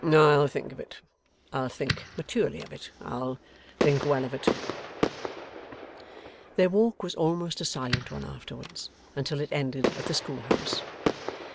I'll think of it. I'll think maturely of it. I'll think well of it.' Their walk was almost a silent one afterwards, until it ended at the school house.